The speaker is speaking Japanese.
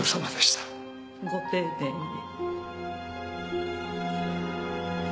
ご丁寧に。